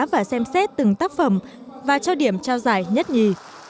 và xem xét từng tác phẩm và cho điểm trao giải nhất nhì